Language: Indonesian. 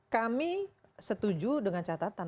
kami setuju dengan catatan